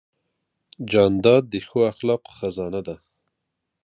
جانداد د ښو اخلاقو خزانه ده.